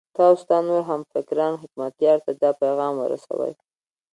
ته او ستا نور همفکران حکمتیار ته دا پیغام ورسوئ.